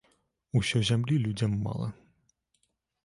Усё зямлі людзям мала.